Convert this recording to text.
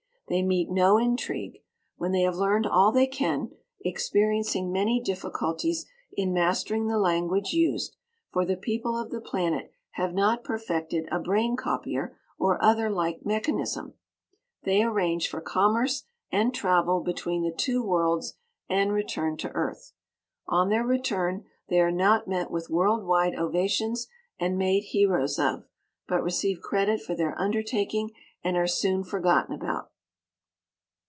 They meet no intrigue. When they have learned all they can experiencing many difficulties in mastering the language used, for the people of the planet have not perfected a brain copier or other like mechanism they arrange for commerce and travel between the two worlds and return to Earth. On their return, they are not met with world wide ovations and made heroes of, but receive credit for their undertaking and are soon forgotten about.